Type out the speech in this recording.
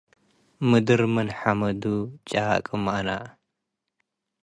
ምድር ምን ሐመዱ ጫቅም አነ